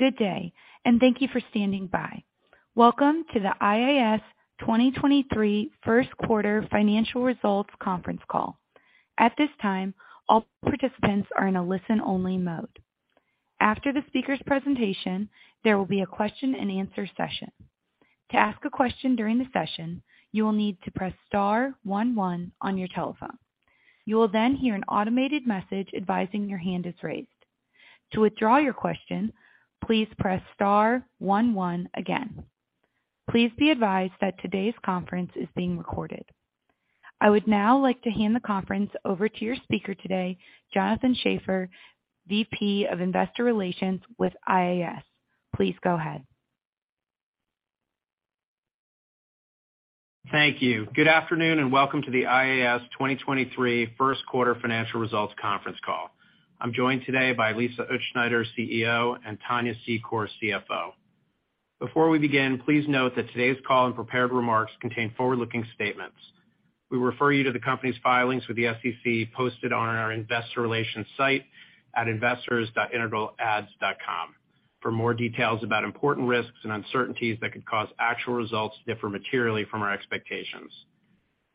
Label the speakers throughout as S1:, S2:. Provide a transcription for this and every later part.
S1: Good day. Thank you for standing by. Welcome to the IAS 2023 first quarter financial results conference call. At this time, all participants are in a listen-only mode. After the speaker's presentation, there will be a question-and-answer session. To ask a question during the session, you will need to press star one one on your telephone. You will hear an automated message advising your hand is raised. To withdraw your question, please press star one one again. Please be advised that today's conference is being recorded. I would now like to hand the conference over to your speaker today, Jonathan Schaffer, VP of Investor Relations with IAS. Please go ahead.
S2: Thank you. Good afternoon, welcome to the IAS 2023 first quarter financial results conference call. I'm joined today by Lisa Utzschneider, CEO, and Tania Secor, CFO. Before we begin, please note that today's call and prepared remarks contain forward-looking statements. We refer you to the company's filings with the SEC posted on our investor relations site at investors.integralads.com for more details about important risks and uncertainties that could cause actual results to differ materially from our expectations.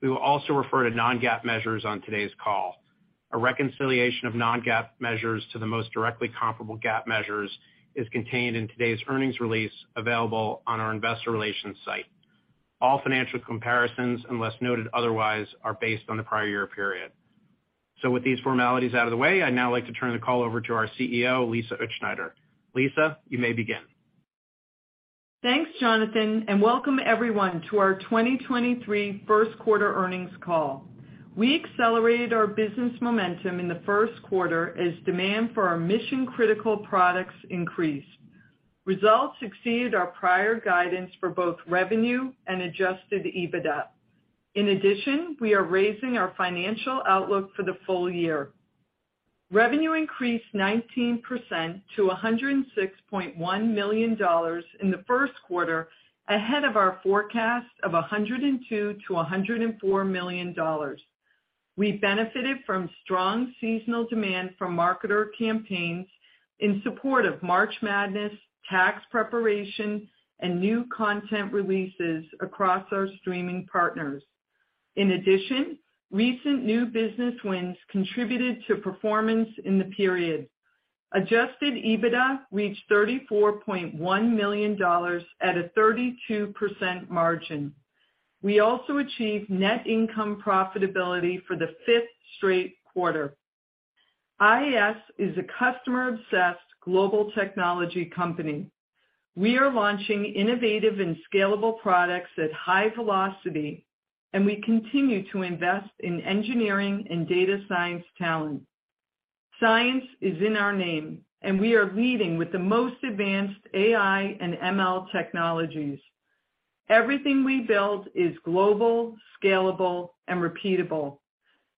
S2: We will also refer to non-GAAP measures on today's call. A reconciliation of non-GAAP measures to the most directly comparable GAAP measures is contained in today's earnings release available on our investor relations site. All financial comparisons, unless noted otherwise, are based on the prior year period. With these formalities out of the way, I'd now like to turn the call over to our CEO, Lisa Utzschneider. Lisa, you may begin.
S3: Thanks, Jonathan. Welcome everyone to our 2023 first quarter earnings call. We accelerated our business momentum in the first quarter as demand for our mission-critical products increased. Results exceeded our prior guidance for both revenue and adjusted EBITDA. In addition, we are raising our financial outlook for the full year. Revenue increased 19% to $106.1 million in the first quarter, ahead of our forecast of $102 million-$104 million. We benefited from strong seasonal demand from marketer campaigns in support of March Madness, tax preparation, and new content releases across our streaming partners. In addition, recent new business wins contributed to performance in the period. Adjusted EBITDA reached $34.1 million at a 32% margin. We also achieved net income profitability for the fifth straight quarter. IAS is a customer-obsessed global technology company. We are launching innovative and scalable products at high velocity, and we continue to invest in engineering and data science talent. Science is in our name, and we are leading with the most advanced AI and ML technologies. Everything we build is global, scalable, and repeatable.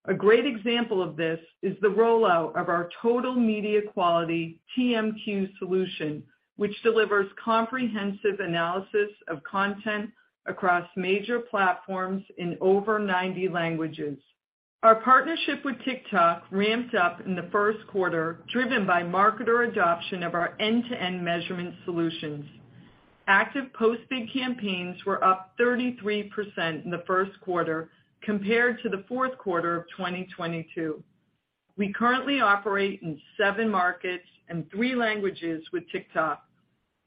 S3: A great example of this is the rollout of our Total Media Quality, TMQ solution, which delivers comprehensive analysis of content across major platforms in over 90 languages. Our partnership with TikTok ramped up in the first quarter, driven by marketer adoption of our end-to-end measurement solutions. Active post-bid campaigns were up 33% in the first quarter compared to the fourth quarter of 2022. We currently operate in seven markets and three languages with TikTok.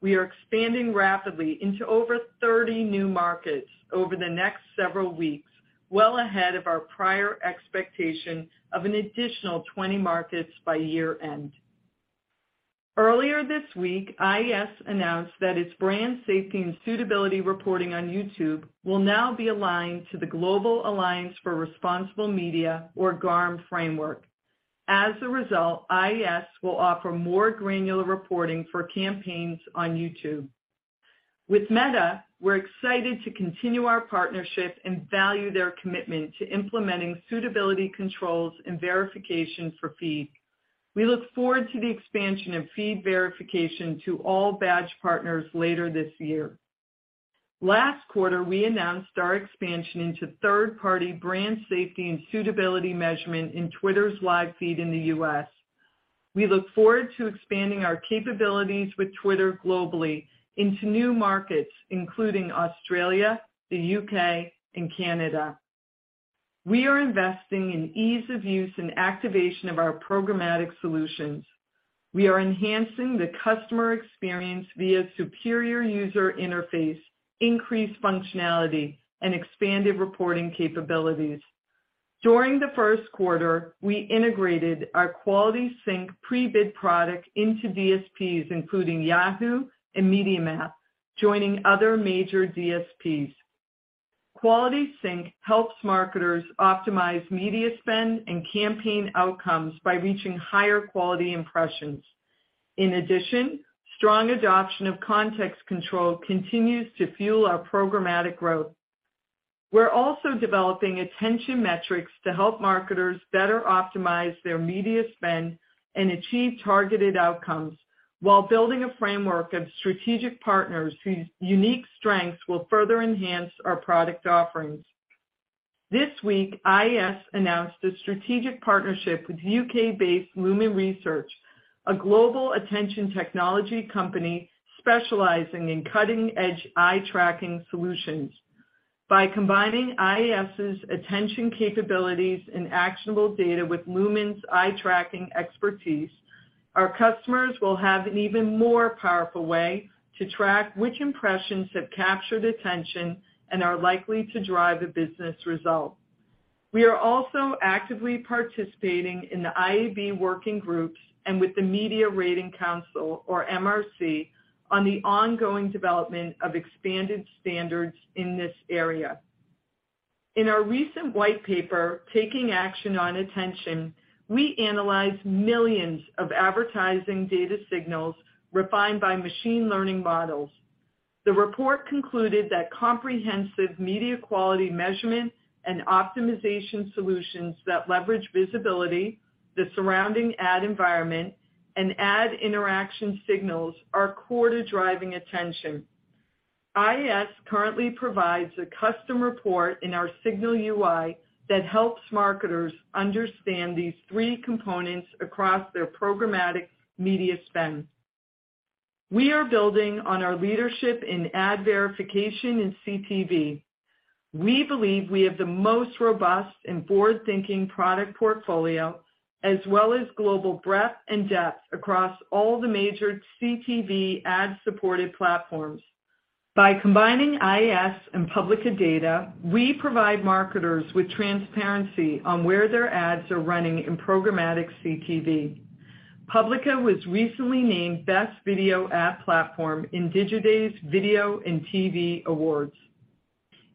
S3: We are expanding rapidly into over 30 new markets over the next several weeks, well ahead of our prior expectation of an additional 20 markets by year-end. Earlier this week, IAS announced that its brand safety and suitability reporting on YouTube will now be aligned to the Global Alliance for Responsible Media, or GARM, framework. As a result, IAS will offer more granular reporting for campaigns on YouTube. With Meta, we're excited to continue our partnership and value their commitment to implementing suitability controls and verification for feed. We look forward to the expansion of feed verification to all badge partners later this year. Last quarter, we announced our expansion into third-party brand safety and suitability measurement in Twitter's live feed in the U.S. We look forward to expanding our capabilities with Twitter globally into new markets, including Australia, the U.K., and Canada. We are investing in ease of use and activation of our programmatic solutions. We are enhancing the customer experience via superior user interface, increased functionality, and expanded reporting capabilities. During the first quarter, we integrated our QualitySync pre-bid product into DSPs, including Yahoo and MediaMath, joining other major DSPs. QualitySync helps marketers optimize media spend and campaign outcomes by reaching higher quality impressions. In addition, strong adoption of Context Control continues to fuel our programmatic growth. We're also developing attention metrics to help marketers better optimize their media spend and achieve targeted outcomes while building a framework of strategic partners whose unique strengths will further enhance our product offerings. This week, IAS announced a strategic partnership with U.K.-based Lumen Research, a global attention technology company specializing in cutting-edge eye tracking solutions. By combining IAS' attention capabilities and actionable data with Lumen's eye tracking expertise, our customers will have an even more powerful way to track which impressions have captured attention and are likely to drive a business result. We are also actively participating in the IAB working groups and with the Media Rating Council, or MRC, on the ongoing development of expanded standards in this area. In our recent white paper, Taking Action on Attention, we analyzed millions of advertising data signals refined by machine learning models. The report concluded that comprehensive media quality measurement and optimization solutions that leverage visibility, the surrounding ad environment, and ad interaction signals are core to driving attention. IAS currently provides a custom report in our Signal UI that helps marketers understand these three components across their programmatic media spend. We are building on our leadership in ad verification in CTV. We believe we have the most robust and forward-thinking product portfolio, as well as global breadth and depth across all the major CTV ad-supported platforms. By combining IAS and Publica data, we provide marketers with transparency on where their ads are running in programmatic CTV. Publica was recently named Best Video Ad Platform in Digiday's Video and TV Awards.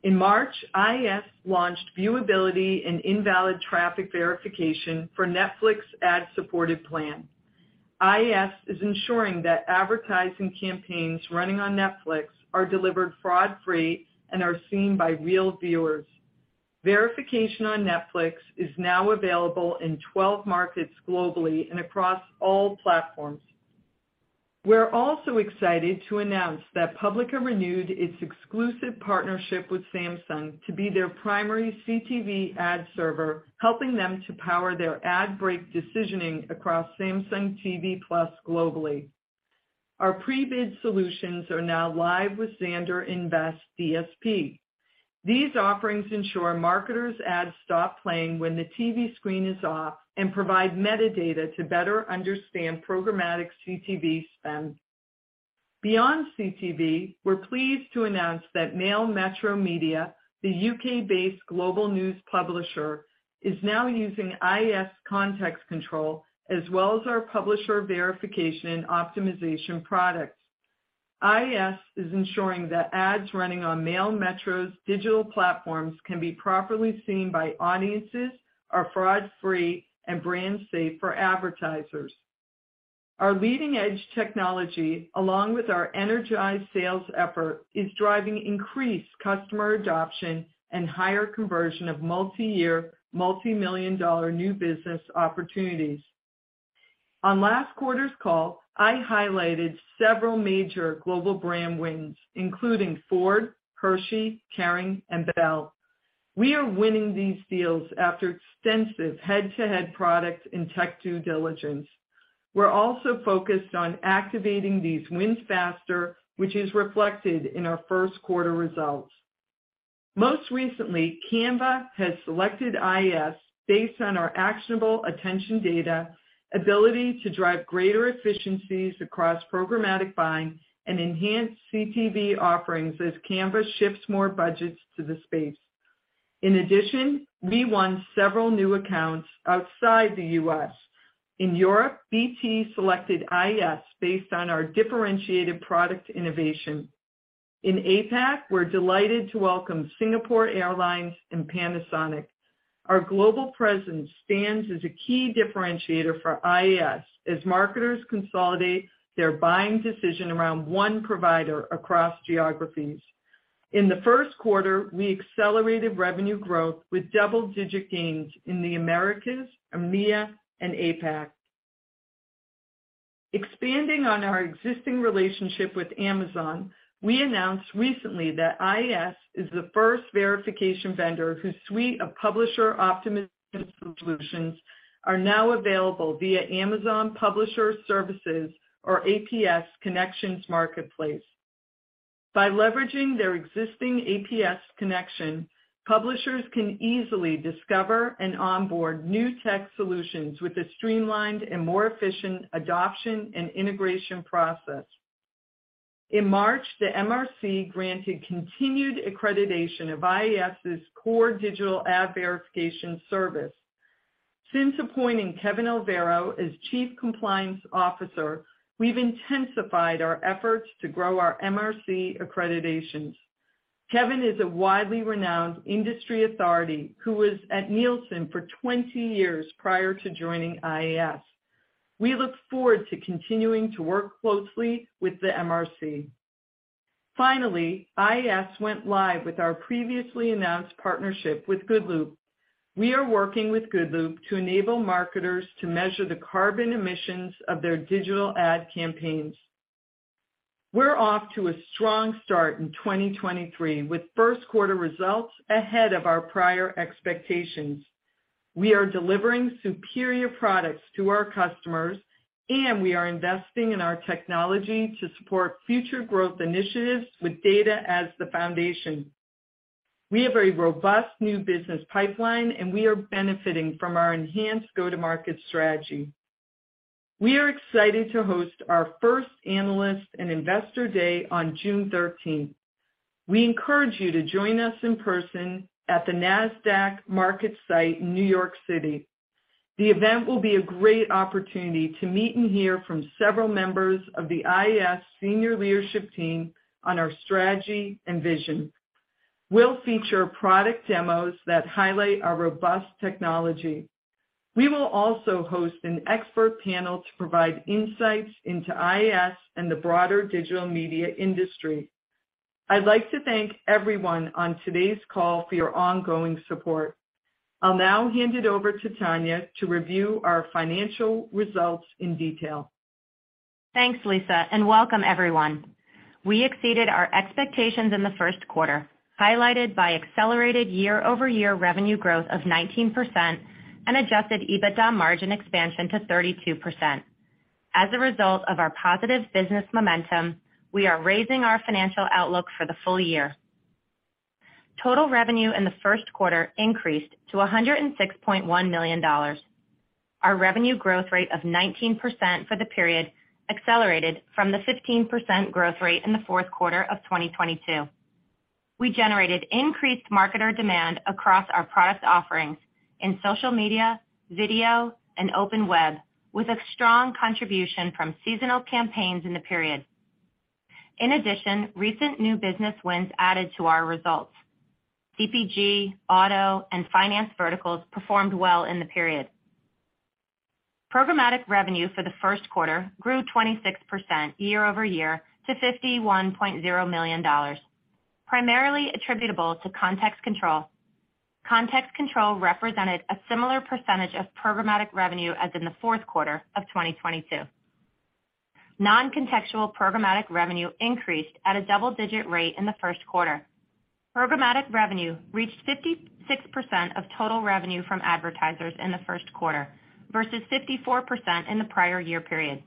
S3: In March, IAS launched viewability and invalid traffic verification for Netflix ad-supported plan. IAS is ensuring that advertising campaigns running on Netflix are delivered fraud-free and are seen by real viewers. Verification on Netflix is now available in 12 markets globally and across all platforms. We're also excited to announce that Publica renewed its exclusive partnership with Samsung to be their primary CTV ad server, helping them to power their ad break decisioning across Samsung TV Plus globally. Our pre-bid solutions are now live with Xandr Invest DSP. These offerings ensure marketers' ads stop playing when the TV screen is off and provide metadata to better understand programmatic CTV spend. Beyond CTV, we're pleased to announce that Mail Metro Media, the U.K.-based global news publisher, is now using IAS Context Control as well as our publisher verification and optimization products. IAS is ensuring that ads running on Mail Metro's digital platforms can be properly seen by audiences, are fraud-free, and brand-safe for advertisers. Our leading-edge technology, along with our energized sales effort, is driving increased customer adoption and higher conversion of multiyear, multimillion-dollar new business opportunities. On last quarter's call, I highlighted several major global brand wins, including Ford, Hershey, Kering, and Bell. We are winning these deals after extensive head-to-head product and tech due diligence. We're also focused on activating these wins faster, which is reflected in our first quarter results. Most recently, Canva has selected IAS based on our actionable attention data, ability to drive greater efficiencies across programmatic buying, and enhanced CTV offerings as Canva shifts more budgets to the space. In addition, we won several new accounts outside the U.S. In Europe, BT selected IAS based on our differentiated product innovation. In APAC, we're delighted to welcome Singapore Airlines and Panasonic. Our global presence stands as a key differentiator for IAS as marketers consolidate their buying decision around one provider across geographies. In the first quarter, we accelerated revenue growth with double-digit gains in the Americas, EMEA, and APAC. Expanding on our existing relationship with Amazon, we announced recently that IAS is the first verification vendor whose suite of publisher optimization solutions are now available via Amazon Publisher Services, or APS, Connections Marketplace. By leveraging their existing APS connection, publishers can easily discover and onboard new tech solutions with a streamlined and more efficient adoption and integration process. In March, the MRC granted continued accreditation of IAS' core digital ad verification service. Since appointing Kevin Alvero as Chief Compliance Officer, we've intensified our efforts to grow our MRC accreditations. Kevin is a widely renowned industry authority who was at Nielsen for 20 years prior to joining IAS. We look forward to continuing to work closely with the MRC. IAS went live with our previously announced partnership with Good-Loop. We are working with Good-Loop to enable marketers to measure the carbon emissions of their digital ad campaigns. We're off to a strong start in 2023, with first quarter results ahead of our prior expectations. We are delivering superior products to our customers. We are investing in our technology to support future growth initiatives with data as the foundation. We have a robust new business pipeline. We are benefiting from our enhanced go-to-market strategy. We are excited to host our first Analyst and Investor Day on June 13th. We encourage you to join us in person at the Nasdaq MarketSite in New York City. The event will be a great opportunity to meet and hear from several members of the IAS senior leadership team on our strategy and vision. We'll feature product demos that highlight our robust technology. We will also host an expert panel to provide insights into IAS and the broader digital media industry. I'd like to thank everyone on today's call for your ongoing support. I'll now hand it over to Tania to review our financial results in detail.
S4: Thanks, Lisa. Welcome everyone. We exceeded our expectations in the first quarter, highlighted by accelerated year-over-year revenue growth of 19% and adjusted EBITDA margin expansion to 32%. As a result of our positive business momentum, we are raising our financial outlook for the full year. Total revenue in the first quarter increased to $106.1 million. Our revenue growth rate of 19% for the period accelerated from the 15% growth rate in the fourth quarter of 2022. We generated increased marketer demand across our product offerings in social media, video and open web, with a strong contribution from seasonal campaigns in the period. In addition, recent new business wins added to our results. CPG, auto, and finance verticals performed well in the period. Programmatic revenue for the first quarter grew 26% year-over-year to $51.0 million, primarily attributable to Context Control. Context Control represented a similar percentage of programmatic revenue as in the fourth quarter of 2022. Non-contextual programmatic revenue increased at a double-digit rate in the first quarter. Programmatic revenue reached 56% of total revenue from advertisers in the first quarter versus 54% in the prior year period.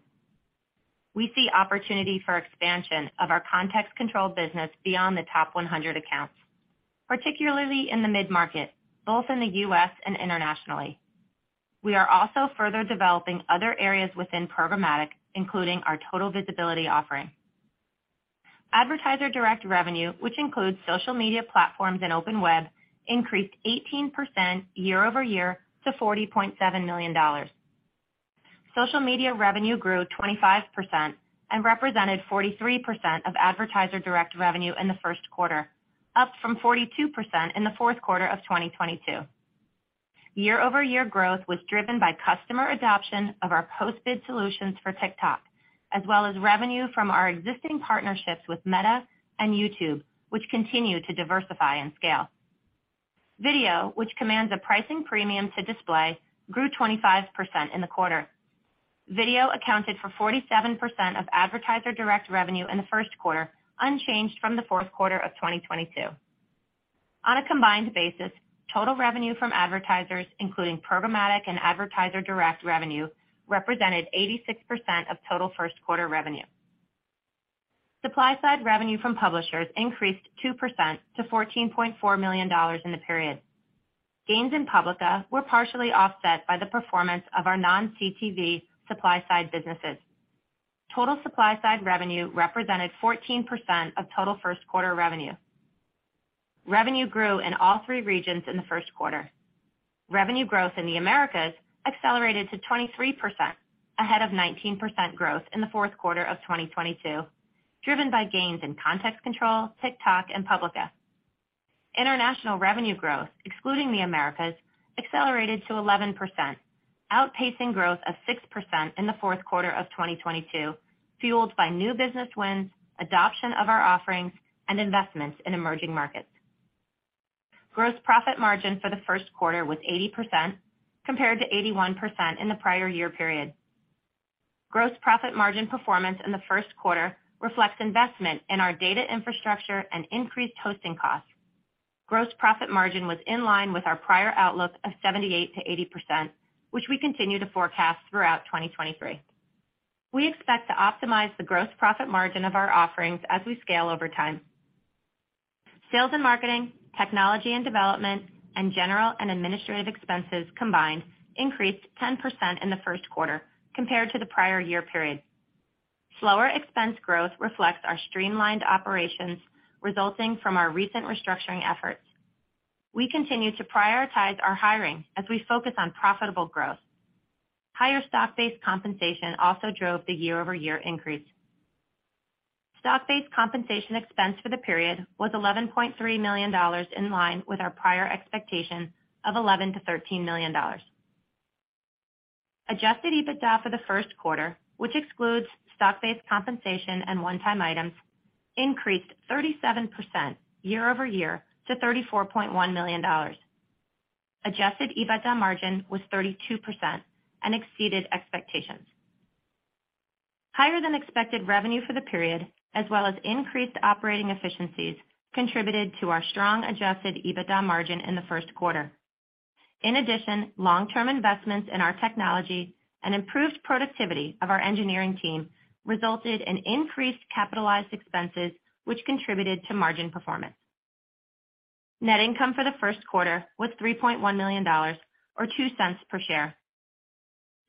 S4: We see opportunity for expansion of our Context Control business beyond the top 100 accounts, particularly in the mid-market, both in the U.S. and internationally. We are also further developing other areas within programmatic, including our Total Visibility offering. Advertiser direct revenue, which includes social media platforms and open web, increased 18% year-over-year to $40.7 million. Social media revenue grew 25% and represented 43% of advertiser direct revenue in the first quarter, up from 42% in the fourth quarter of 2022. Year-over-year growth was driven by customer adoption of our post-bid solutions for TikTok, as well as revenue from our existing partnerships with Meta and YouTube, which continue to diversify and scale. Video, which commands a pricing premium to display, grew 25% in the quarter. Video accounted for 47% of advertiser direct revenue in the first quarter, unchanged from the fourth quarter of 2022. On a combined basis, total revenue from advertisers, including programmatic and advertiser direct revenue, represented 86% of total first quarter revenue. Supply-side revenue from publishers increased 2% to $14.4 million in the period. Gains in Publica were partially offset by the performance of our non-CTV supply-side businesses. Total supply-side revenue represented 14% of total first quarter revenue. Revenue grew in all three regions in the first quarter. Revenue growth in the Americas accelerated to 23%, ahead of 19% growth in the fourth quarter of 2022, driven by gains in Context Control, TikTok and Publica. International revenue growth, excluding the Americas, accelerated to 11%, outpacing growth of 6% in the fourth quarter of 2022, fueled by new business wins, adoption of our offerings and investments in emerging markets. Gross profit margin for the first quarter was 80% compared to 81% in the prior year period. Gross profit margin performance in the first quarter reflects investment in our data infrastructure and increased hosting costs. Gross profit margin was in line with our prior outlook of 78%-80%, which we continue to forecast throughout 2023. We expect to optimize the gross profit margin of our offerings as we scale over time. Sales and marketing, technology and development, and general and administrative expenses combined increased 10% in the first quarter compared to the prior year period. Slower expense growth reflects our streamlined operations resulting from our recent restructuring efforts. We continue to prioritize our hiring as we focus on profitable growth. Higher stock-based compensation also drove the year-over-year increase. Stock-based compensation expense for the period was $11.3 million, in line with our prior expectation of $11 million-$13 million. Adjusted EBITDA for the first quarter, which excludes stock-based compensation and one-time items, increased 37% year-over-year to $34.1 million. Adjusted EBITDA margin was 32% and exceeded expectations. Higher than expected revenue for the period, as well as increased operating efficiencies, contributed to our strong adjusted EBITDA margin in the first quarter. Long-term investments in our technology and improved productivity of our engineering team resulted in increased capitalized expenses which contributed to margin performance. Net income for the first quarter was $3.1 million or $0.02 per share.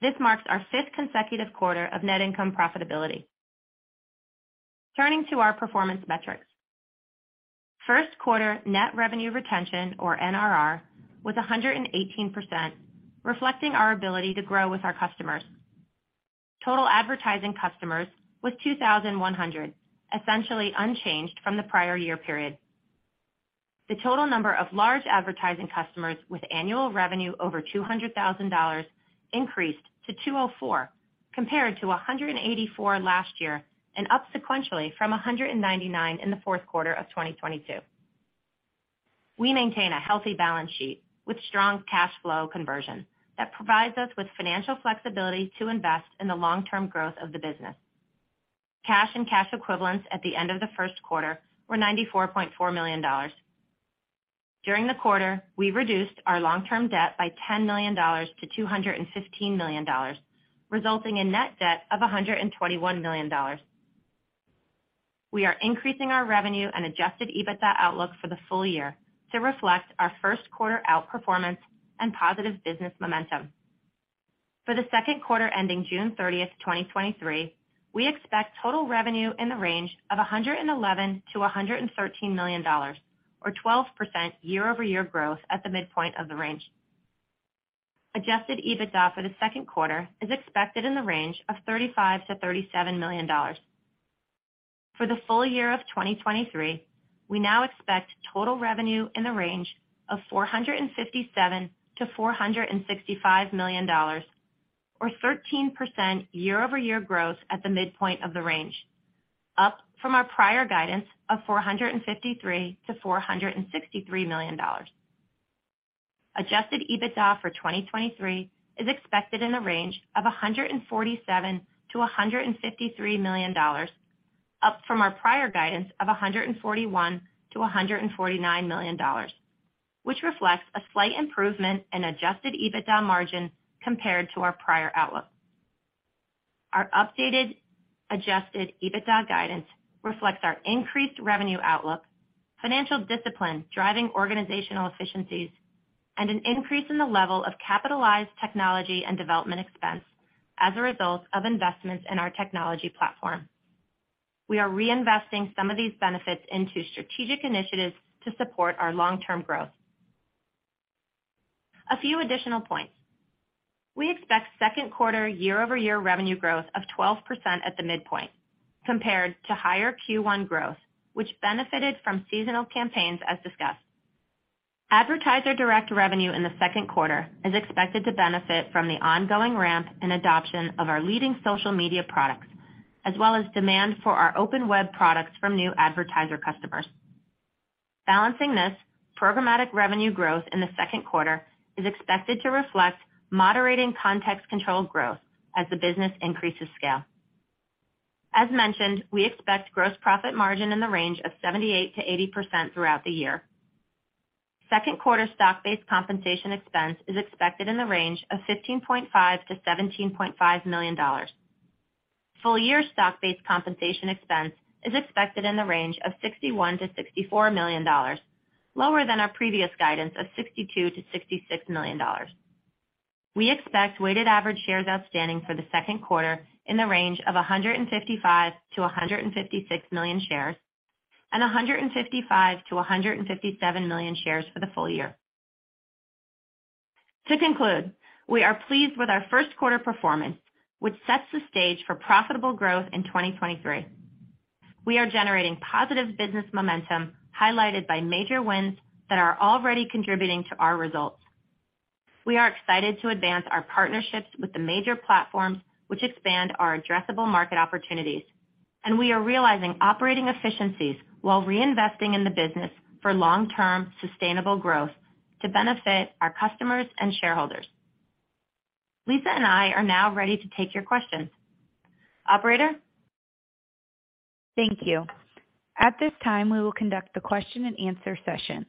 S4: This marks our fifth consecutive quarter of net income profitability. Turning to our performance metrics. First quarter net revenue retention, or NRR, was 118%, reflecting our ability to grow with our customers. Total advertising customers was 2,100, essentially unchanged from the prior year period. The total number of large advertising customers with annual revenue over $200,000 increased to 204, compared to 184 last year and up sequentially from 199 in the fourth quarter of 2022. We maintain a healthy balance sheet with strong cash flow conversion that provides us with financial flexibility to invest in the long-term growth of the business. Cash and cash equivalents at the end of the first quarter were $94.4 million. During the quarter, we reduced our long-term debt by $10 million to $215 million, resulting in net debt of $121 million. We are increasing our revenue and adjusted EBITDA outlook for the full year to reflect our first quarter outperformance and positive business momentum. For the second quarter ending June 30th, 2023, we expect total revenue in the range of $111 million-$113 million or 12% year-over-year growth at the midpoint of the range. Adjusted EBITDA for the second quarter is expected in the range of $35 million-$37 million. For the full year of 2023, we now expect total revenue in the range of $457 million-$465 million or 13% year-over-year growth at the midpoint of the range, up from our prior guidance of $453 million-$463 million. Adjusted EBITDA for 2023 is expected in the range of $147 million-$153 million, up from our prior guidance of $141 million-$149 million, which reflects a slight improvement in adjusted EBITDA margin compared to our prior outlook. Our updated adjusted EBITDA guidance reflects our increased revenue outlook, financial discipline driving organizational efficiencies, and an increase in the level of capitalized technology and development expense as a result of investments in our technology platform. We are reinvesting some of these benefits into strategic initiatives to support our long-term growth. A few additional points. We expect second quarter year-over-year revenue growth of 12% at the midpoint compared to higher Q1 growth, which benefited from seasonal campaigns as discussed. Advertiser direct revenue in the second quarter is expected to benefit from the ongoing ramp and adoption of our leading social media products, as well as demand for our open web products from new advertiser customers. Balancing this, programmatic revenue growth in the second quarter is expected to reflect moderating Context Control growth as the business increases scale. As mentioned, we expect gross profit margin in the range of 78%-80% throughout the year. Second quarter stock-based compensation expense is expected in the range of $15.5 million-$17.5 million. Full year stock-based compensation expense is expected in the range of $61 million-$64 million, lower than our previous guidance of $62 million-$66 million. We expect weighted average shares outstanding for the second quarter in the range of 155-156 million shares and 155-157 million shares for the full year. To conclude, we are pleased with our first quarter performance, which sets the stage for profitable growth in 2023. We are generating positive business momentum highlighted by major wins that are already contributing to our results. We are excited to advance our partnerships with the major platforms which expand our addressable market opportunities, and we are realizing operating efficiencies while reinvesting in the business for long-term sustainable growth to benefit our customers and shareholders. Lisa and I are now ready to take your questions. Operator?
S1: Thank you. At this time, we will conduct the question and answer session.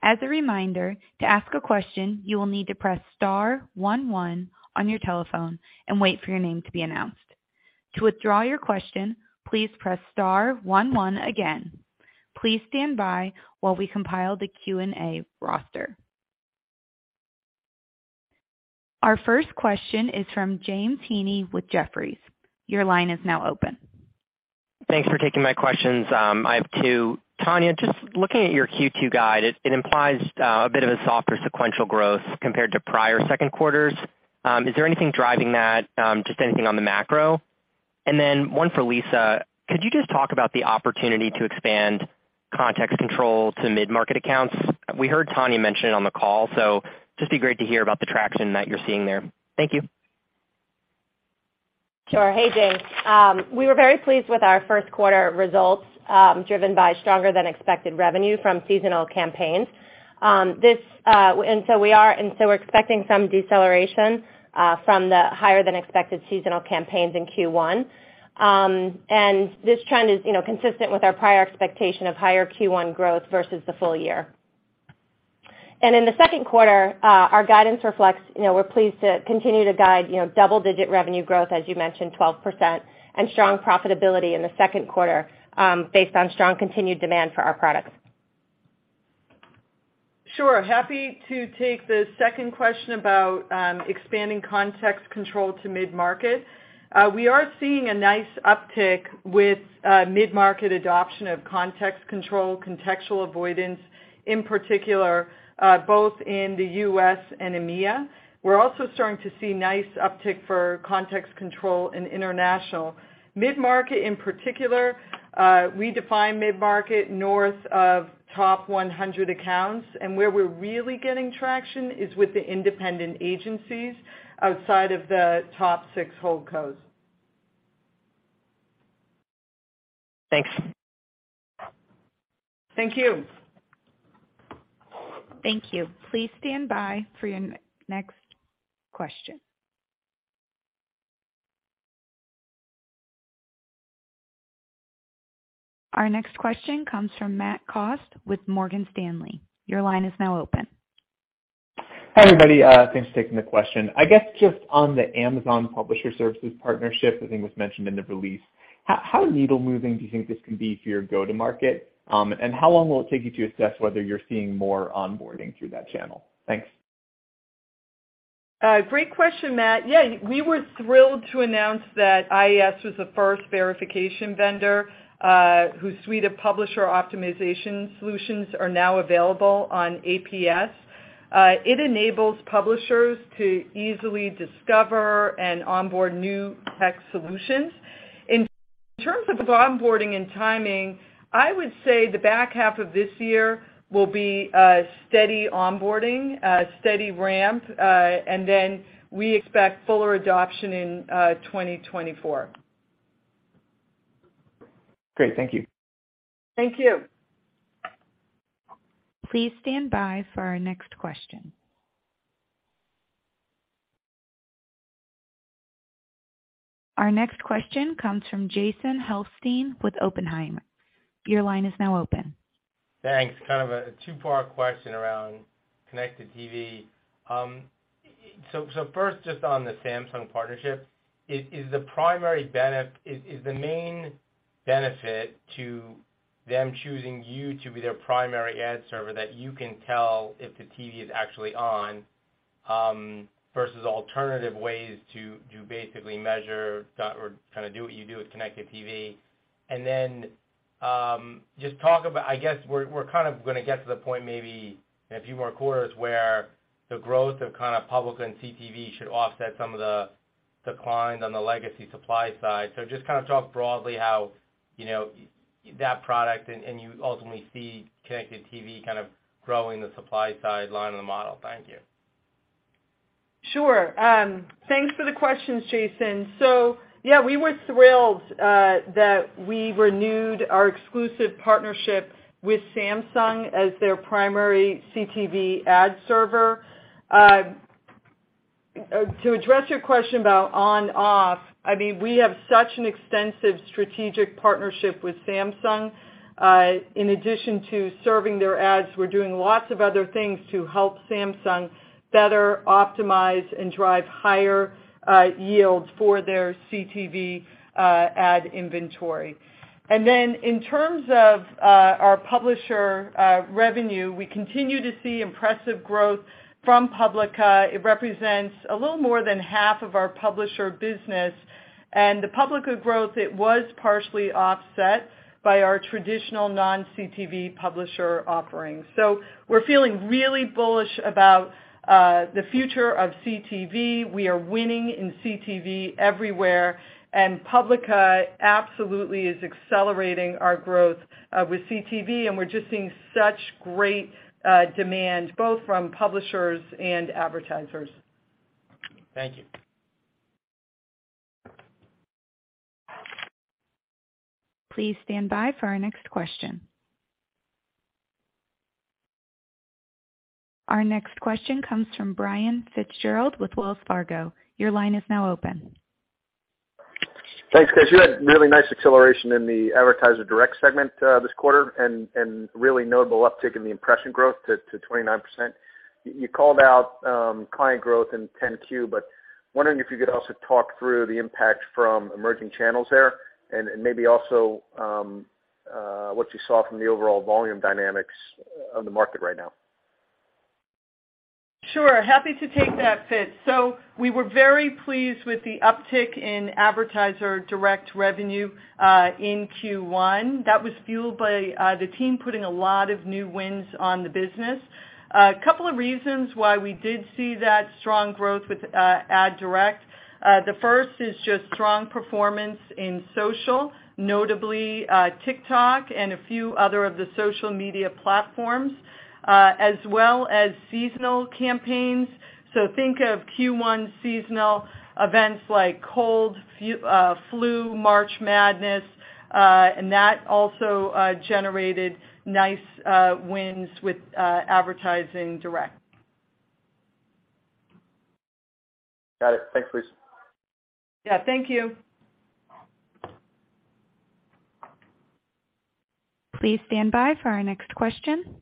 S1: As a reminder, to ask a question, you will need to press star one one on your telephone and wait for your name to be announced. To withdraw your question, please press star one one again. Please stand by while we compile the Q&A roster. Our first question is from James Heaney with Jefferies. Your line is now open.
S5: Thanks for taking my questions. I have two. Tania, just looking at your Q2 guide, it implies a bit of a softer sequential growth compared to prior second quarters. Is there anything driving that? Just anything on the macro? One for Lisa. Could you just talk about the opportunity to expand Context Control to mid-market accounts? We heard Tania mention it on the call, so just be great to hear about the traction that you're seeing there. Thank you.
S4: Sure. Hey, James. We were very pleased with our first quarter results, driven by stronger than expected revenue from seasonal campaigns. We're expecting some deceleration from the higher than expected seasonal campaigns in Q1. This trend is, you know, consistent with our prior expectation of higher Q1 growth versus the full year. In the second quarter, our guidance reflects, you know, we're pleased to continue to guide, you know, double-digit revenue growth, as you mentioned, 12%, and strong profitability in the second quarter, based on strong continued demand for our products.
S3: Sure. Happy to take the second question about expanding Context Control to mid-market. We are seeing a nice uptick with mid-market adoption of Context Control, contextual avoidance, in particular, both in the U.S. and EMEA. We're also starting to see nice uptick for Context Control in international. Mid-market in particular, we define mid-market north of top 100 accounts, and where we're really getting traction is with the independent agencies outside of the top six holdcos.
S4: Thanks.
S3: Thank you.
S1: Thank you. Please stand by for your next question. Our next question comes from Matt Cost with Morgan Stanley. Your line is now open.
S6: Hi, everybody. Thanks for taking the question. I guess, just on the Amazon Publisher Services partnership, I think was mentioned in the release, how needle-moving do you think this can be for your go-to market? How long will it take you to assess whether you're seeing more onboarding through that channel? Thanks.
S3: Great question, Matt. Yeah, we were thrilled to announce that IAS was the first verification vendor, whose suite of publisher optimization solutions are now available on APS. It enables publishers to easily discover and onboard new tech solutions. In terms of the onboarding and timing, I would say the back half of this year will be a steady onboarding, a steady ramp, and then we expect fuller adoption in 2024.
S6: Great. Thank you.
S3: Thank you.
S1: Please stand by for our next question. Our next question comes from Jason Helfstein with Oppenheimer. Your line is now open.
S7: Thanks. Kind of a two-part question around connected TV. First, just on the Samsung partnership, is the main benefit to them choosing you to be their primary ad server that you can tell if the TV is actually on, versus alternative ways to basically measure or kinda do what you do with connected TV? Just talk about I guess we're kind of gonna get to the point, maybe in a few more quarters, where the growth of kinda Publica and CTV should offset some of the declines on the legacy supply side. Just kinda talk broadly how, you know, that product and you ultimately see connected TV kind of growing the supply side line of the model. Thank you.
S3: Sure. Thanks for the questions, Jason. Yeah, we were thrilled that we renewed our exclusive partnership with Samsung as their primary CTV ad server. To address your question about on/off, I mean, we have such an extensive strategic partnership with Samsung. In addition to serving their ads, we're doing lots of other things to help Samsung better optimize and drive higher yields for their CTV ad inventory. In terms of our publisher revenue, we continue to see impressive growth from Publica. It represents a little more than half of our publisher business. The Publica growth, it was partially offset by our traditional non-CTV publisher offerings. We're feeling really bullish about the future of CTV. We are winning in CTV everywhere, and Publica absolutely is accelerating our growth, with CTV, and we're just seeing such great demand both from publishers and advertisers.
S7: Thank you.
S1: Please stand by for our next question. Our next question comes from Brian Fitzgerald with Wells Fargo. Your line is now open.
S8: Thanks, guys. You had really nice acceleration in the advertiser direct segment, this quarter and really notable uptick in the impression growth to 29%. You called out, client growth in 10-Q, but wondering if you could also talk through the impact from emerging channels there and maybe also, what you saw from the overall volume dynamics on the market right now.
S3: Sure. Happy to take that, Fitz. We were very pleased with the uptick in advertiser direct revenue in Q1. That was fueled by the team putting a lot of new wins on the business. A couple of reasons why we did see that strong growth with ad direct. The first is just strong performance in social, notably, TikTok and a few other of the social media platforms, as well as seasonal campaigns. Think of Q1 seasonal events like cold, flu, March Madness. That also generated nice wins with advertising direct.
S8: Got it. Thanks, Lisa.
S3: Yeah, thank you.
S1: Please stand by for our next question.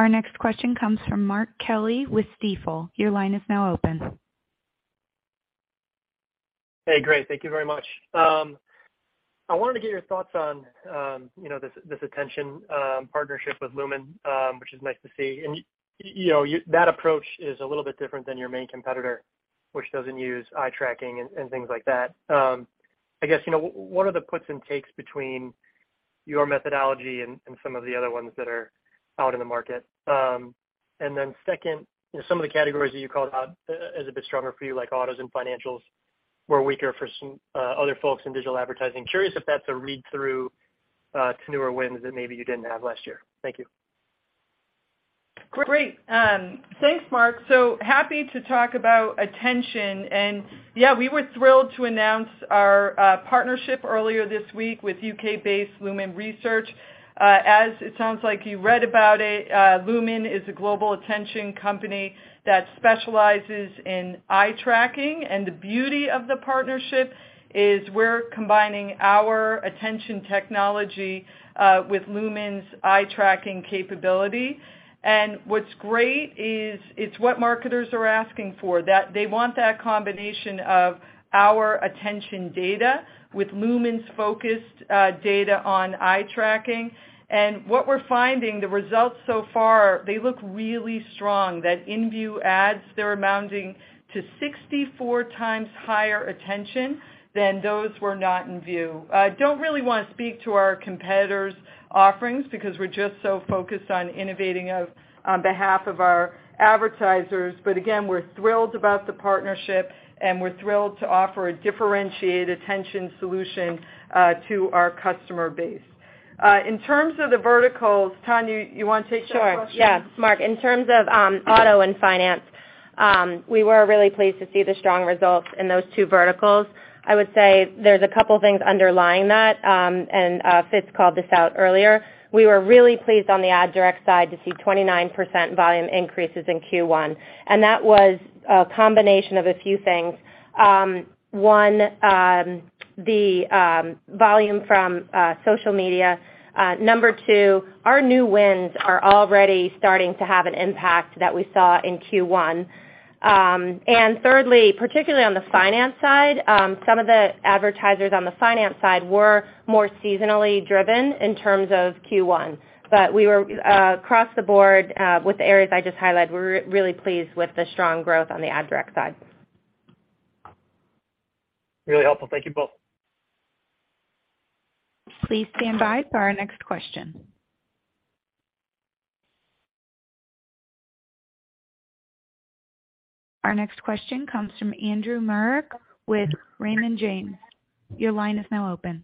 S1: Our next question comes from Mark Kelley with Stifel. Your line is now open.
S9: Hey, great. Thank you very much. I wanted to get your thoughts on, you know, this attention partnership with Lumen, which is nice to see. You know, that approach is a little bit different than your main competitor, which doesn't use eye tracking and things like that. I guess, you know, what are the puts and takes between your methodology and some of the other ones that are out in the market? Second, you know, some of the categories that you called out as a bit stronger for you, like autos and financials, were weaker for some other folks in digital advertising. Curious if that's a read-through to newer wins that maybe you didn't have last year. Thank you.
S3: Great. Thanks, Mark. Happy to talk about attention. Yeah, we were thrilled to announce our partnership earlier this week with U.K.-based Lumen Research. As it sounds like you read about it, Lumen is a global attention company that specializes in eye tracking. The beauty of the partnership is we're combining our attention technology with Lumen's eye tracking capability. What's great is it's what marketers are asking for, that they want that combination of our attention data with Lumen's focused data on eye tracking. What we're finding, the results so far, they look really strong that in-view ads, they're amounting to 64x higher attention than those who are not in view. Don't really wanna speak to our competitors' offerings because we're just so focused on innovating on behalf of our advertisers. Again, we're thrilled about the partnership, and we're thrilled to offer a differentiated attention solution to our customer base. In terms of the verticals, Tania, you wanna take that question?
S4: Sure, yeah. Mark, in terms of auto and finance, we were really pleased to see the strong results in those two verticals. I would say there's a couple things underlying that, and Fitz called this out earlier. We were really pleased on the Ad Direct side to see 29% volume increases in Q1, and that was a combination of a few things. One, the volume from social media. Number two, our new wins are already starting to have an impact that we saw in Q1. Thirdly, particularly on the finance side, some of the advertisers on the finance side were more seasonally driven in terms of Q1. We were across the board, with the areas I just highlighted, we're really pleased with the strong growth on the Ad Direct side.
S9: Really helpful. Thank you both.
S1: Please stand by for our next question. Our next question comes from Andrew Marok with Raymond James. Your line is now open.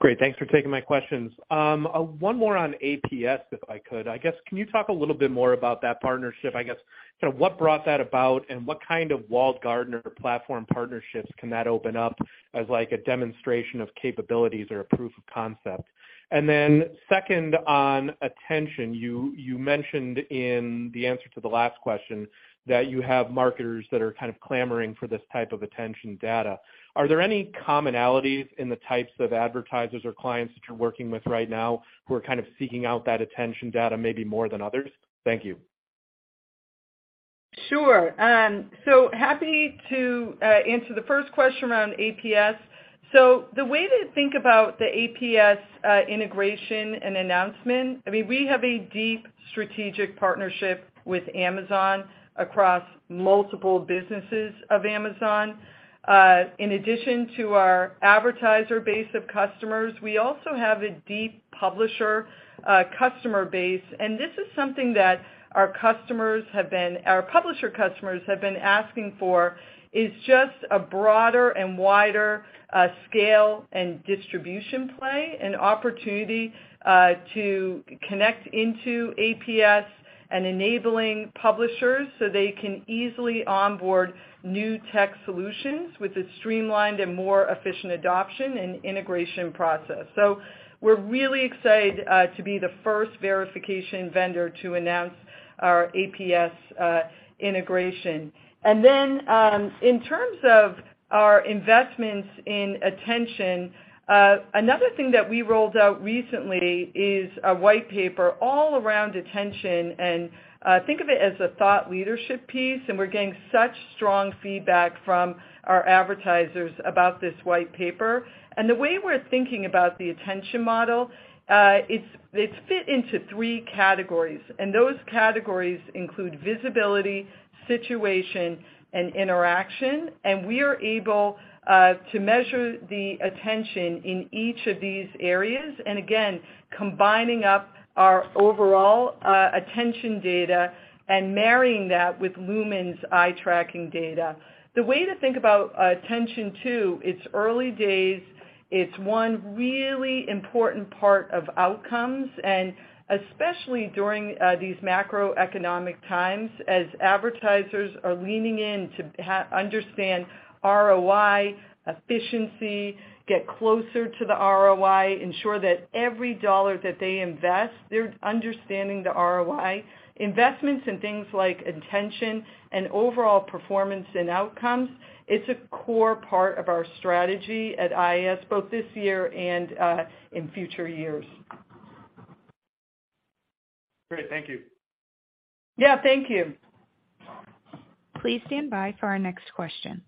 S10: Great. Thanks for taking my questions. One more on APS, if I could. I guess, can you talk a little bit more about that partnership, I guess, sort of what brought that about, and what kind of walled garden or platform partnerships can that open up as like a demonstration of capabilities or a proof of concept? Second, on attention, you mentioned in the answer to the last question that you have marketers that are kind of clamoring for this type of attention data. Are there any commonalities in the types of advertisers or clients that you're working with right now who are kind of seeking out that attention data maybe more than others? Thank you.
S3: Sure. happy to answer the first question around APS. The way to think about the APS integration and announcement, I mean, we have a deep strategic partnership with Amazon across multiple businesses of Amazon. In addition to our advertiser base of customers, we also have a deep publisher customer base, and this is something that our publisher customers have been asking for is just a broader and wider scale and distribution play, an opportunity to connect into APS and enabling publishers so they can easily onboard new tech solutions with a streamlined and more efficient adoption and integration process. We're really excited to be the first verification vendor to announce our APS integration. In terms of our investments in attention, another thing that we rolled out recently is a white paper all around attention, think of it as a thought leadership piece, and we're getting such strong feedback from our advertisers about this white paper. The way we're thinking about the attention model, it's fit into three categories, and those categories include visibility, situation, and interaction. We are able to measure the attention in each of these areas, and again, combining up our overall attention data and marrying that with Lumen's eye tracking data. The way to think about attention too, it's early days, it's one really important part of outcomes, and especially during these macroeconomic times as advertisers are leaning in to understand ROI, efficiency, get closer to the ROI, ensure that every dollar that they invest, they're understanding the ROI. Investments in things like attention and overall performance and outcomes, it's a core part of our strategy at IAS, both this year and in future years.
S10: Great. Thank you.
S3: Yeah, thank you.
S1: Please stand by for our next question.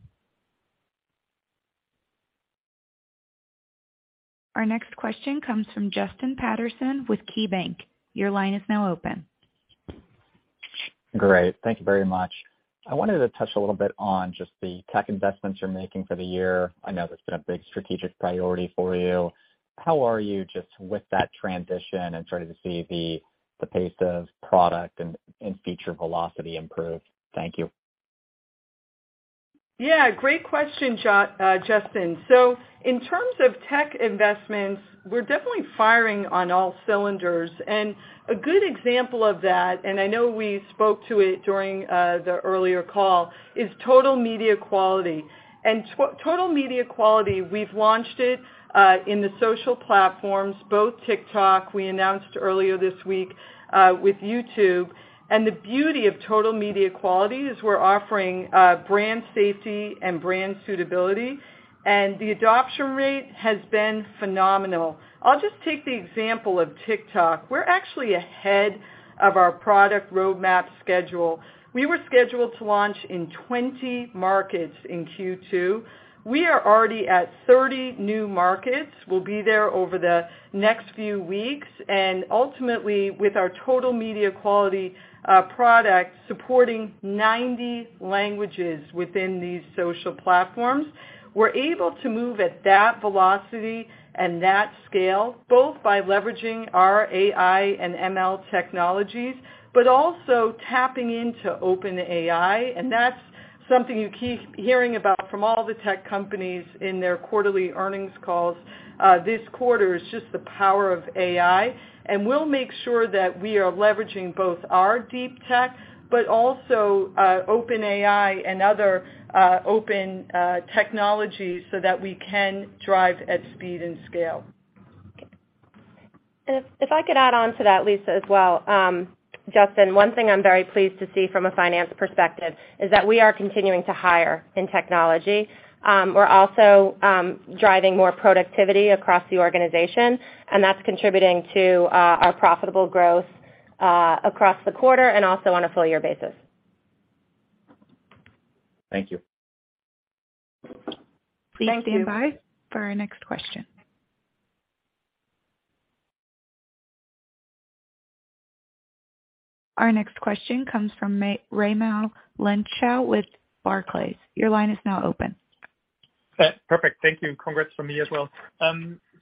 S1: Our next question comes from Justin Patterson with KeyBanc. Your line is now open.
S11: Great. Thank you very much. I wanted to touch a little bit on just the tech investments you're making for the year. I know that's been a big strategic priority for you. How are you just with that transition and starting to see the pace of product and feature velocity improve? Thank you.
S3: Yeah, great question, Justin. In terms of tech investments, we're definitely firing on all cylinders. A good example of that, and I know we spoke to it during the earlier call, is Total Media Quality. Total Media Quality, we've launched it in the social platforms, both TikTok, we announced earlier this week, with YouTube. The beauty of Total Media Quality is we're offering brand safety and brand suitability, and the adoption rate has been phenomenal. I'll just take the example of TikTok. We're actually ahead of our product roadmap schedule. We were scheduled to launch in 20 markets in Q2. We are already at 30 new markets. We'll be there over the next few weeks, and ultimately, with our Total Media Quality product supporting 90 languages within these social platforms. We're able to move at that velocity and that scale, both by leveraging our AI and ML technologies, but also tapping into OpenAI. That's something you keep hearing about from all the tech companies in their quarterly earnings calls this quarter, is just the power of AI. We'll make sure that we are leveraging both our deep tech, but also OpenAI and other open technologies so that we can drive at speed and scale.
S4: If I could add on to that, Lisa, as well. Justin, one thing I'm very pleased to see from a finance perspective is that we are continuing to hire in technology. We're also driving more productivity across the organization, and that's contributing to our profitable growth across the quarter and also on a full year basis.
S11: Thank you.
S3: Thank you.
S1: Please stand by for our next question. Our next question comes from Raimo Lenschow with Barclays. Your line is now open.
S12: Perfect. Thank you. Congrats from me as well.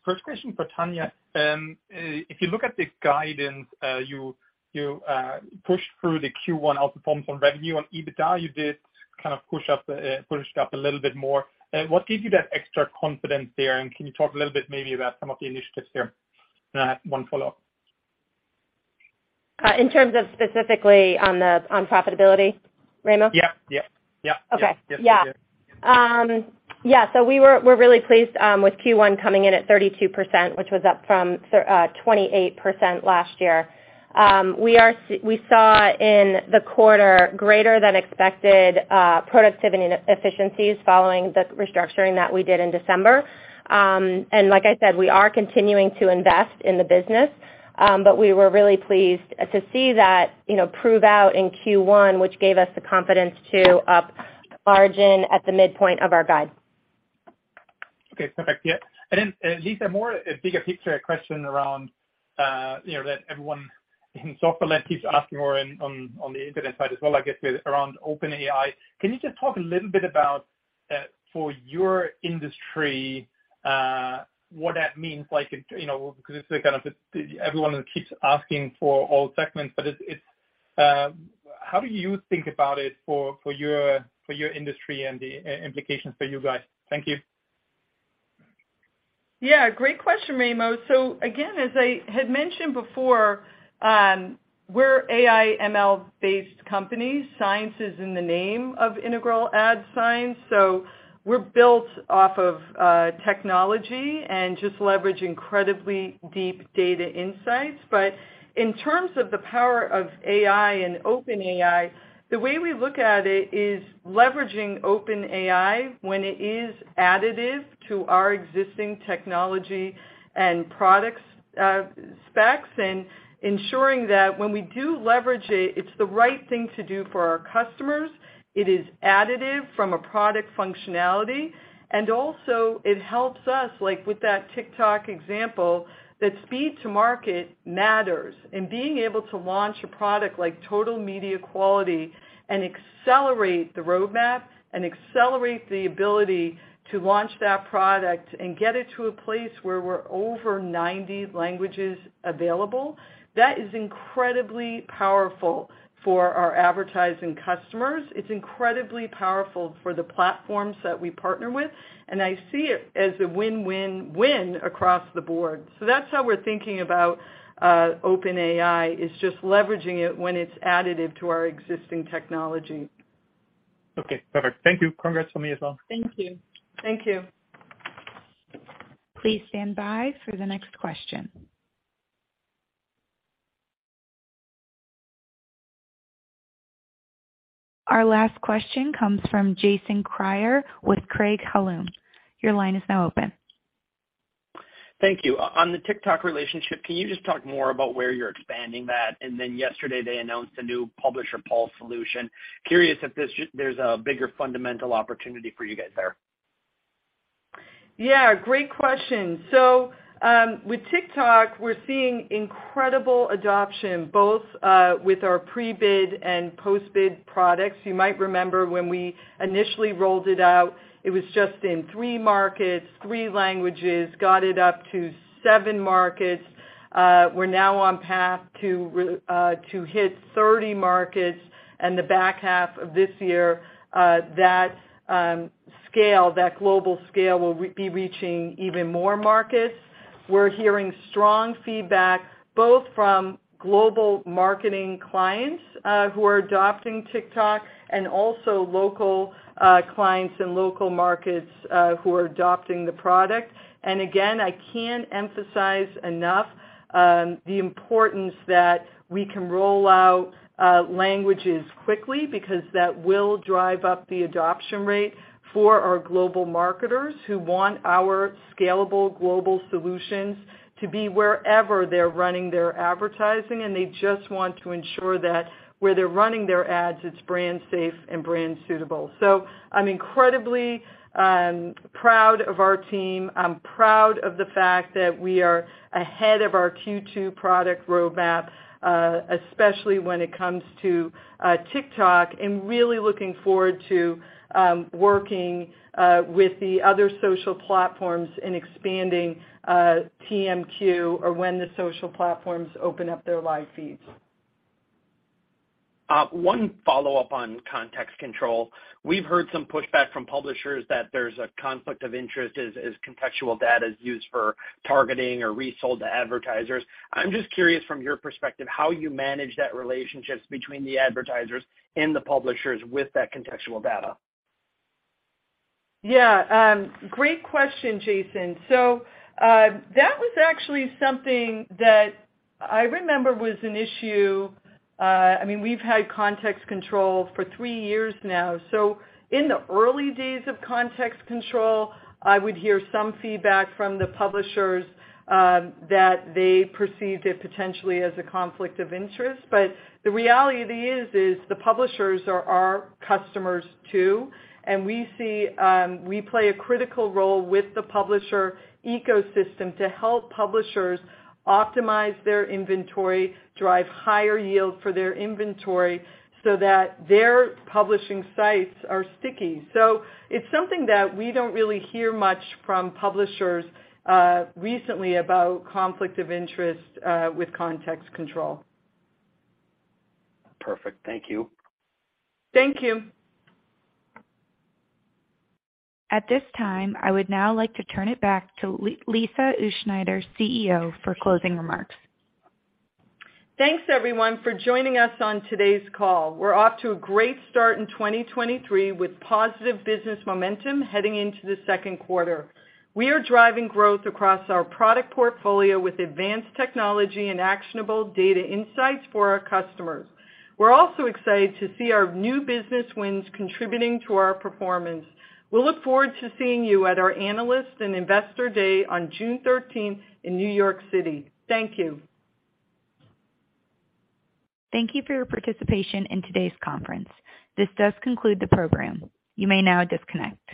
S12: First question for Tania. If you look at the guidance, you pushed through the Q1 outperforms on revenue. On EBITDA, you did kind of push up a little bit more. What gave you that extra confidence there, and can you talk a little bit maybe about some of the initiatives there? I have one follow-up.
S4: In terms of specifically on the, on profitability, Raimo?
S12: Yeah. Yeah. Yeah.
S4: Okay. Yeah. Yeah. We're really pleased with Q1 coming in at 32%, which was up from 28% last year. We saw in the quarter greater than expected productivity and efficiencies following the restructuring that we did in December. Like I said, we are continuing to invest in the business, but we were really pleased to see that, you know, prove out in Q1, which gave us the confidence to up margin at the midpoint of our guide.
S12: Okay, perfect. Yeah. Then, Lisa, more a bigger picture question around, you know, that everyone in software land keeps asking more on the internet side as well, I guess, with around OpenAI. Can you just talk a little bit about, for your industry, what that means? Like, you know, 'cause it's the kind of the everyone keeps asking for all segments, but it's, how do you think about it for your industry and the implications for you guys? Thank you.
S3: Yeah, great question, Raimo. As I had mentioned before, we're AI ML-based company. Science is in the name of Integral Ad Science, so we're built off of technology and just leverage incredibly deep data insights. In terms of the power of AI and OpenAI, the way we look at it is leveraging OpenAI when it is additive to our existing technology and products, specs, and ensuring that when we do leverage it's the right thing to do for our customers. It is additive from a product functionality, and also it helps us, like with that TikTok example, that speed to market matters. Being able to launch a product like Total Media Quality and accelerate the roadmap and accelerate the ability to launch that product and get it to a place where we're over 90 languages available, that is incredibly powerful for our advertising customers. It's incredibly powerful for the platforms that we partner with. I see it as a win-win-win across the board. That's how we're thinking about OpenAI, is just leveraging it when it's additive to our existing technology.
S12: Okay, perfect. Thank you. Congrats from me as well.
S4: Thank you.
S3: Thank you.
S1: Please stand by for the next question. Our last question comes from Jason Kreyer with Craig-Hallum. Your line is now open.
S13: Thank you. On the TikTok relationship, can you just talk more about where you're expanding that? Yesterday they announced a new Publisher Pulse solution. Curious if there's a bigger fundamental opportunity for you guys there.
S3: Yeah, great question. With TikTok, we're seeing incredible adoption, both with our pre-bid and post-bid products. You might remember when we initially rolled it out, it was just in three markets, three languages, got it up to seven markets. We're now on path to hit 30 markets in the back half of this year. That, scale, that global scale will be reaching even more markets. We're hearing strong feedback both from global marketing clients, who are adopting TikTok and also local clients and local markets, who are adopting the product. Again, I can't emphasize enough the importance that we can roll out languages quickly because that will drive up the adoption rate for our global marketers who want our scalable global solutions to be wherever they're running their advertising, and they just want to ensure that where they're running their ads, it's brand safe and brand suitable. I'm incredibly proud of our team. I'm proud of the fact that we are ahead of our Q2 product roadmap, especially when it comes to TikTok, and really looking forward to working with the other social platforms in expanding TMQ or when the social platforms open up their live feeds.
S13: One follow-up on Context Control. We've heard some pushback from publishers that there's a conflict of interest as contextual data is used for targeting or resold to advertisers. I'm just curious from your perspective, how you manage that relationships between the advertisers and the publishers with that contextual data.
S3: Great question, Jason. That was actually something that I remember was an issue. I mean, we've had Context Control for three years now. In the early days of Context Control, I would hear some feedback from the publishers that they perceived it potentially as a conflict of interest. The reality is the publishers are our customers, too, and we play a critical role with the publisher ecosystem to help publishers optimize their inventory, drive higher yield for their inventory so that their publishing sites are sticky. It's something that we don't really hear much from publishers recently about conflict of interest with Context Control.
S13: Perfect. Thank you.
S3: Thank you.
S1: At this time, I would now like to turn it back to Lisa Utzschneider, CEO, for closing remarks.
S3: Thanks, everyone, for joining us on today's call. We're off to a great start in 2023 with positive business momentum heading into the second quarter. We are driving growth across our product portfolio with advanced technology and actionable data insights for our customers. We're also excited to see our new business wins contributing to our performance. We look forward to seeing you at our Analyst and Investor Day on June 13th in New York City. Thank you.
S1: Thank you for your participation in today's conference. This does conclude the program. You may now disconnect.